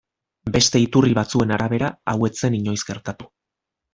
Beste iturri batzuen arabera hau ez zen inoiz gertatu.